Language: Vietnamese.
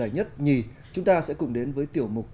nó phải bơi